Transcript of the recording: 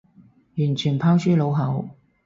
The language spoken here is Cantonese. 完全拋諸腦後